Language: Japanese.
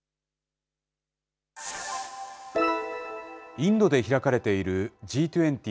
インドで開かれている、Ｇ２０・